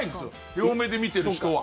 両目で見てる人は。